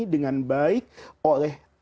dengan baik oleh